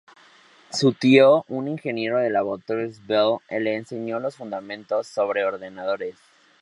Su tío, un ingeniero de Laboratorios Bell, le enseñó los fundamentos sobre ordenadores.